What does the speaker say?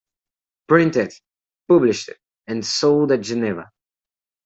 Printed, published and sold at Geneva.